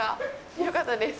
よかったです。